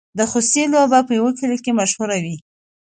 د خوسي لوبه په کلیو کې مشهوره ده.